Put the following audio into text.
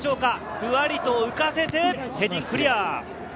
ふわりと浮かせてヘディングでクリア。